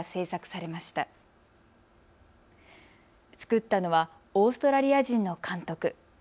作ったのはオーストラリア人の監督。